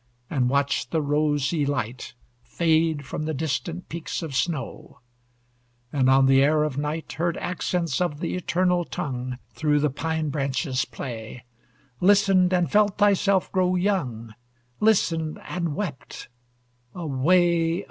And watched the rosy light Fade from the distant peaks of snow; And on the air of night Heard accents of the eternal tongue Through the pine branches play Listened and felt thyself grow young! Listened, and wept Away!